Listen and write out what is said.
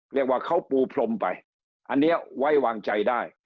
เรียกว่าเขาปูพรมไปอันนี้ไว้วางใจได้